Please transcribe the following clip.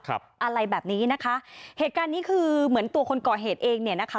อะไรแบบนี้นะคะเหตุการณ์นี้คือเหมือนตัวคนก่อเหตุเองเนี่ยนะคะ